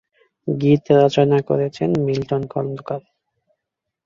গীত রচনা করেছেন মিল্টন খন্দকার।